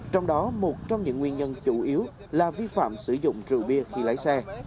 trong đó một trong những nguyên nhân chủ yếu là vi phạm sử dụng rượu bia khi lái xe